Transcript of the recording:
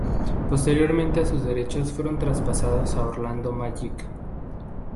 Posteriormente sus derechos fueron traspasados a Orlando Magic.